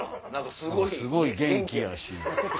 すごい元気やし。